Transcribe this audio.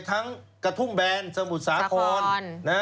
ทั้งกฎพุ่งแบรนด์สมุดสาขร